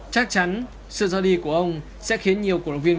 chắc chắn sự ra đi của ông sẽ khiến nhiều cổ động viên